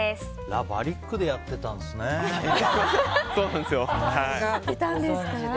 ラ・バリックでやってたんですね。